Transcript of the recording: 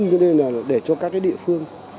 cho nên để cho các địa phương